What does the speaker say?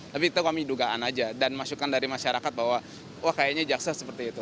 tapi itu kami dugaan aja dan masukan dari masyarakat bahwa wah kayaknya jaksa seperti itu